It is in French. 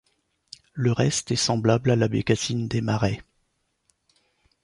Le reste est semblable à la bécassine des marais.